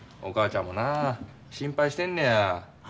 お母ちゃんもな心配してんねや。